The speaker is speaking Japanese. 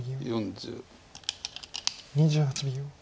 ２８秒。